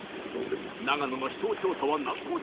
長野の秘湯調査は難航中。